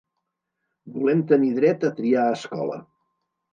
Volem tenir dret a triar escola.